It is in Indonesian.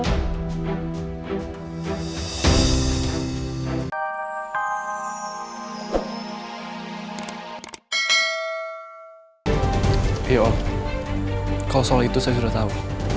tapi om kalau soal itu saya sudah tahu